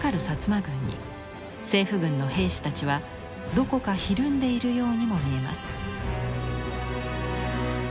薩摩軍に政府軍の兵士たちはどこかひるんでいるようにも見えます。